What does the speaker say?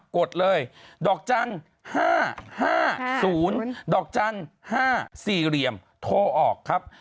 กดเลยดอกจันทร์๕๕๐ดอกจันทร์๕๔เหลี่ยมโทรออกครับ